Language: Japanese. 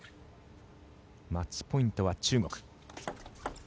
マッチポイントは中国。